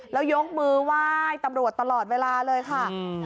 แล้วยกมือไหว้ตำรวจตลอดเวลาเลยค่ะ